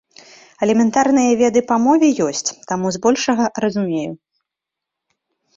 Элементарныя веды па мове ёсць, таму з большага разумею.